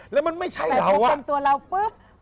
แล้วมันไม่ใช่เราแต่พวกตัวเราปึ๊บ